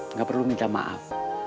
nggak perlu minta maaf